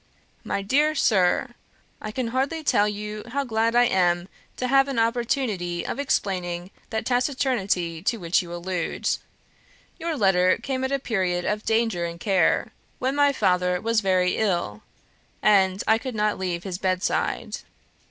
"My dear Sir, I can hardly tell you how glad I am to have an opportunity of explaining that taciturnity to which you allude. Your letter came at a period of danger and care, when my father was very ill, and I could not leave his bedside.